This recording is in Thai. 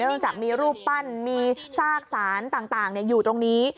จากมีรูปปั้นมีซากสารต่างอยู่ตรงนี้